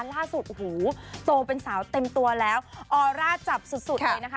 ล่าสุดโอ้โหโตเป็นสาวเต็มตัวแล้วออร่าจับสุดเลยนะคะ